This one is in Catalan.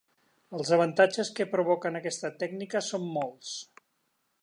Els avantatges que provoquen aquesta tècnica són molts.